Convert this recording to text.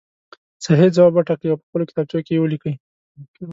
صحیح ځواب وټاکئ او په خپلو کتابچو کې یې ولیکئ.